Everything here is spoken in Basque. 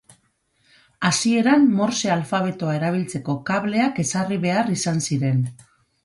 Hasieran, Morse alfabetoa erabiltzeko kableak ezarri behar izan ziren.